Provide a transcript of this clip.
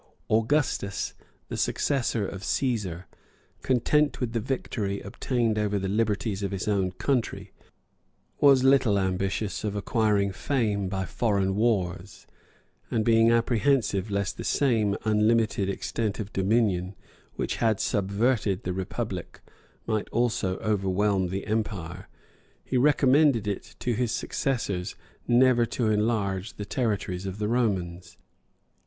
Augustus, the successor of Cæsar, content with the victory obtained over the liberties of his own country, was little ambitious of acquiring fame by foreign wars; and being apprehensive lest the same unlimited extent of dominion, which had subverted the republic, might also overwhelm the empire, he recommended it to his successors never to enlarge the territories of the Romans.